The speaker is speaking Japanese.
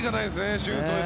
シュートへの。